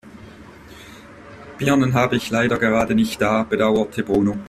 Birnen habe ich leider gerade nicht da, bedauerte Bruno.